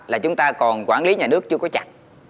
là chúng ta còn quản lý nhà nước chưa có chặt